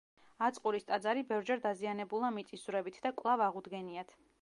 აწყურის ტაძარი ბევრჯერ დაზიანებულა მიწისძვრებით და კვლავ აღუდგენიათ.